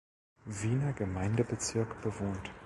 Wiener Gemeindebezirk bewohnt.